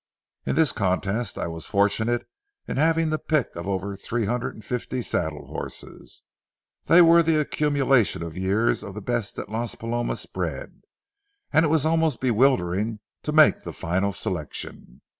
In this contest I was fortunate in having the pick of over three hundred and fifty saddle horses. They were the accumulation of years of the best that Las Palomas bred, and it was almost bewildering to make the final selection.